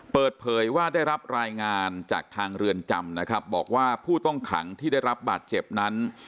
เปิดเผยว่าได้รับรายงานจากทางเรือนจำนะครับบอกว่าผู้ต้องขังที่ได้รับบาดเจ็บนั้น